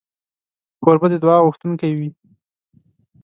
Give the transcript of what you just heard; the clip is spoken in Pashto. کوربه د دعا غوښتونکی وي.